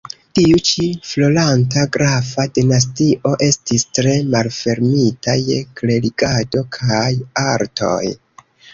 Tiu ĉi floranta grafa dinastio estis tre malfermita je klerigado kaj artoj.